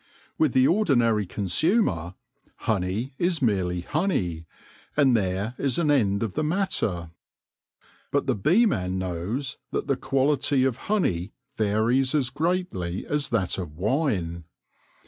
With the ordinary consumer honey is merely honey, and there is an end of the matter. But the beeman knows that the quality of honey varies as greatly as that of wine.